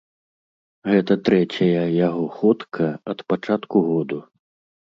Гэта трэцяя яго ходка ад пачатку году.